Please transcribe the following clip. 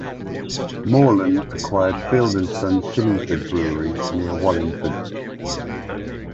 Morland acquired Field and son Shillingford brewery near Wallingford.